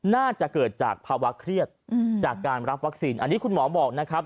น่าจะเกิดจากภาวะเครียดจากการรับวัคซีนอันนี้คุณหมอบอกนะครับ